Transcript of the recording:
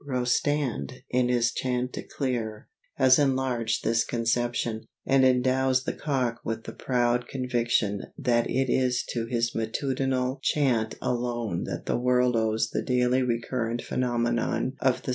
Rostand, in his "Chantecler," has enlarged this conception, and endows the cock with the proud conviction that it is to his matutinal chant alone that the world owes the daily recurrent phenomenon of the sunrise.